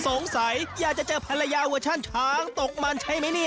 สงสัยอยากจะเจอภรรยาเวอร์ชันช้างตกมันใช่ไหมเนี่ย